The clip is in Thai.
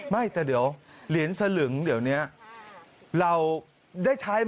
ไม่แต่เดี๋ยวเหรียญสลึงเดี๋ยวนี้เราได้ใช้